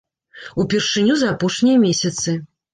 Упершыню за апошнія месяцы.